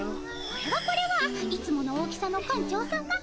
これはこれはいつもの大きさの館長さま。